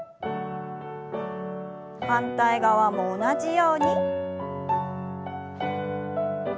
反対側も同じように。